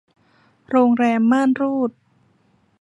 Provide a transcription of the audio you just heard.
โรงแรมม่านรูด